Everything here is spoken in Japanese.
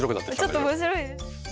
ちょっと面白いです。